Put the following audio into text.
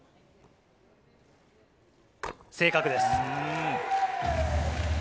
正確です。